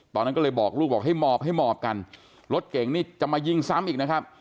ตอนนั้นก็เลยบอกลูกบอกให้หมอบให้หมอบกันรถเก่งนี่จะมายิงซ้ำอีกนะครับ